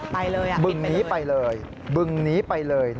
ไปเลยอิตน์ไปเลยบึงหนีไปเลย